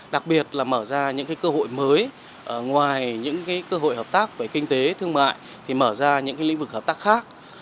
đặc biệt là mở ra những cơ hội mới ngoài những cơ hội hợp tác về kinh tế thương mại thì mở ra những lĩnh vực hợp tác khác